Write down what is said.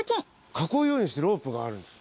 囲うようにしてロープがあるんです。